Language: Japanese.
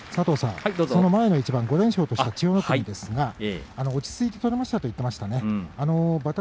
前の一番５連勝とした千代の国ですが落ち着いて取れましたと言っていました。